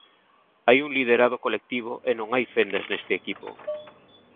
Hai un liderado colectivo e non hai fendas neste equipo.